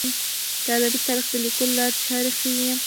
د ادبي تاریخ د لیکلو لارې چارې ښيي.